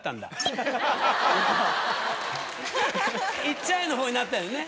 「いっちゃえ」の方になったんだよね？